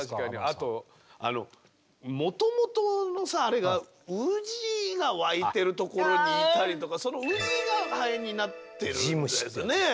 あともともとのさああれがウジが湧いてるところにいたりとかそのウジがハエになってるんですよね。